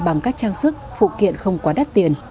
bằng các trang sức phụ kiện không quá đắt tiền